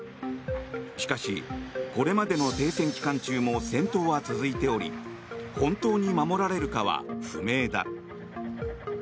しかし、これまでの停戦期間中も戦闘は続いており本当に守られるかは不明だ。